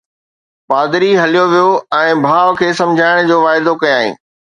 پادري هليو ويو ۽ ڀاءُ کي سمجهائڻ جو واعدو ڪيائين.